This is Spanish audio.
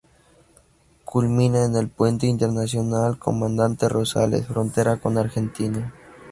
Culmina en el Puente Internacional Comandante Rosales, frontera con Argentina.